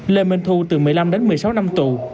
lê minh thu từ một mươi năm đến một mươi sáu năm tù